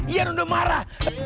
ian udah marah